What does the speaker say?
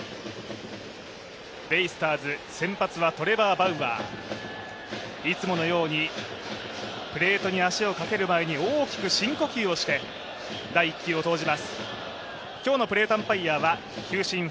ベイスターズ先発はトレバー・バウアー、いつものようにプレートに足をかける前に大きく深呼吸をして第１球を投じます。